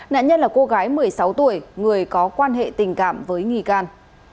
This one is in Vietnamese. nạn nhân là cô gái một mươi sáu tuổi người có quan hệ tình cảm với nghi can